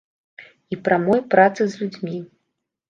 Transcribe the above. І прамой працы з людзьмі.